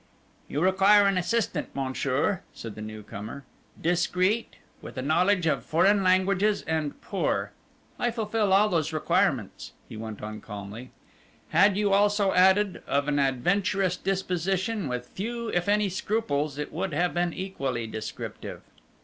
"You require an assistant, Monsieur," said the new comer, "discreet, with a knowledge of foreign languages and poor. I fulfill all those requirements," he went on calmly; "had you also added, of an adventurous disposition, with few if any scruples, it would have been equally descriptive."